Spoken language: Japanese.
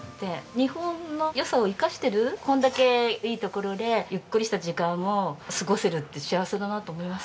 日本の良さを生かしてるこれだけいいところでゆっくりした時間を過ごせるって幸せだなと思います。